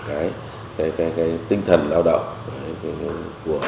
cái tinh thần lao động